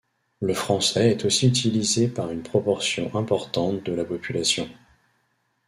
Le français est aussi utilisé par une proportion importante de la population.